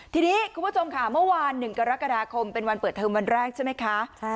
ทีนี้คุณผู้ชมค่ะเมื่อวาน๑กรกฎาคมเป็นวันเปิดเทอมวันแรกใช่ไหมคะ